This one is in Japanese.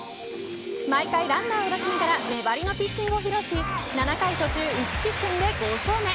毎回、ランナーを出しながら粘りのピッチングを披露し７回途中１失点で５勝目。